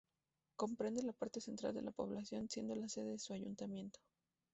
Comprende la parte central de la Población, siendo la sede de su ayuntamiento.